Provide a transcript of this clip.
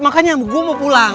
makanya gue mau pulang